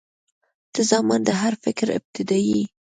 • ته زما د هر فکر ابتدا یې.